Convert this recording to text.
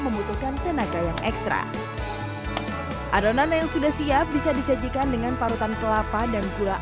membutuhkan tenaga yang ekstra adonan yang sudah siap bisa disajikan dengan parutan kelapa dan gula